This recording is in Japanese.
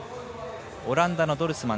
オランダのドルスマン